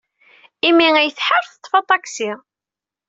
Imi ay tḥar, teḍḍef aṭaksi.